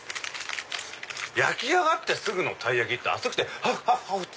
焼き上がってすぐのたい焼きって熱くてはふっはふっ！